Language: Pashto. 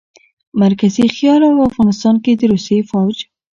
مرکزي خيال او افغانستان کښې د روسي فوج